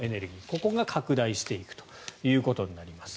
ここが拡大していくということになります。